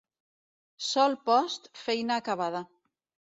Sol post, feina acabada.